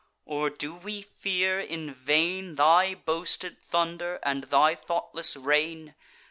or do we fear in vain Thy boasted thunder, and thy thoughtless reign?